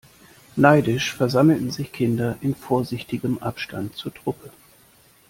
Neidisch versammelten sich Kinder in vorsichtigem Abstand zur Truppe.